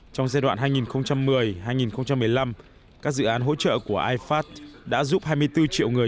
trong giai đoạn hai nghìn một mươi hai nghìn một mươi năm các dự án hỗ trợ của ifast đã giúp hai mươi bốn triệu người